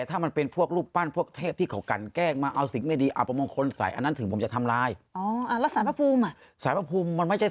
แล้วคุณจะไปอยู่คอนโดตายไป